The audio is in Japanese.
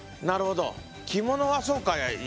なるほど着物はそうか。